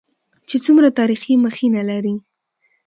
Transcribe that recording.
چې څومره تاريخي مخينه لري.